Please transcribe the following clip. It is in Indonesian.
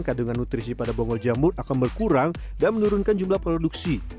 kandungan nutrisi pada bonggol jamur akan berkurang dan menurunkan jumlah produksi